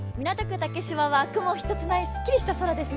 竹芝は雲一つないすっきりした空ですね。